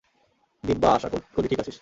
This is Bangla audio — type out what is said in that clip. দিব্যা, আশা করি ঠিক আছিস।